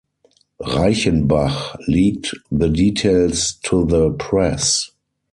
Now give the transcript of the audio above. Reichenbach leaked the details to the press.